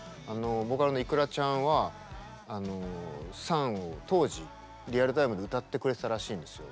ボーカルのｉｋｕｒａちゃんは「ＳＵＮ」を当時リアルタイムで歌ってくれてたらしいんですよ。